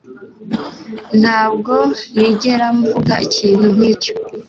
Ntabwo nigera mvuga ikintu nkicyo